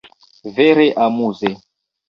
Vere amuze!